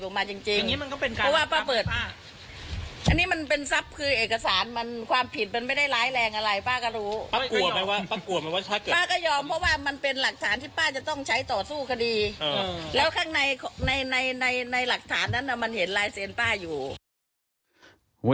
ป้าก็รู้ป้าก็ยอมเพราะว่ามันเป็นหลักฐานที่ป้าจะต้องใช้ต่อสู้คดีแล้วข้างในในหลักฐานนั้นมันเห็นลายเซ็นต์ป้าอยู่